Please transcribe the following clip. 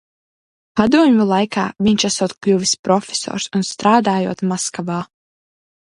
Padomju laikā viņš esot kļuvis profesors un strādājot Maskavā.